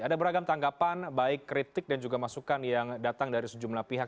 ada beragam tanggapan baik kritik dan juga masukan yang datang dari sejumlah pihak